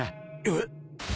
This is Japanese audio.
えっ！？